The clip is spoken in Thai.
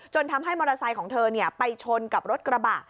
ทำให้มอเตอร์ไซค์ของเธอไปชนกับรถกระบะ